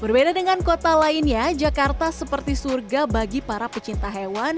berbeda dengan kota lainnya jakarta seperti surga bagi para pecinta hewan